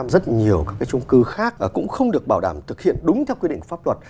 rất nhiều các trung cư khác cũng không được bảo đảm thực hiện đúng theo quy định pháp luật